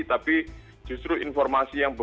tapi justru informasi yang berbeda